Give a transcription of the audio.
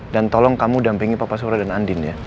dan tolong kamu dampingi papa surya dan andin ya